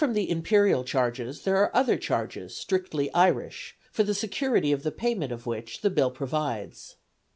Apart from the Imperial charges there are other charges strictly Irish, for the security of the payment of which the Bill provides.